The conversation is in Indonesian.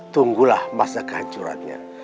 tunggulah masa kehancurannya